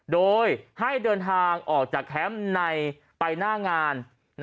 โดยให้เดินทางออกจากแคมป์ในใบหน้างาน